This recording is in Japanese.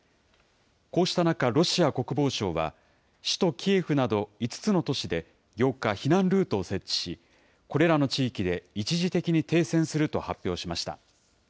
こうした中、ロシア国防省は首都キエフなど、５つの都市で８日避難ルートを設置し、これらの地域で一時的に停戦すると発表しました。